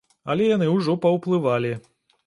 Але яны ўжо паўплывалі.